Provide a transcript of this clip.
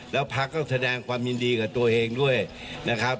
แล้วพักก็แสดงความยินดีกับตัวเองด้วยนะครับ